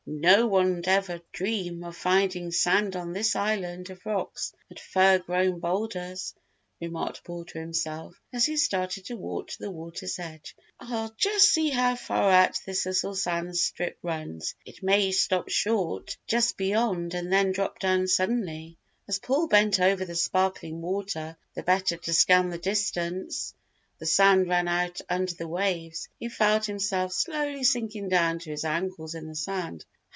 No one'd ever dream of finding sand on this island of rocks and fir grown boulders," remarked Paul to himself, as he started to walk to the water's edge. "I'll just see how far out this little sand strip runs it may stop short just beyond and then drop down suddenly." As Paul bent over the sparkling water the better to scan the distance the sand ran out under the waves, he felt himself slowly sinking down to his ankles in the sand.